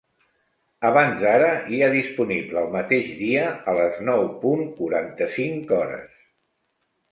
Abans ara hi ha disponible el mateix dia a les nou punt quaranta-cinc hores.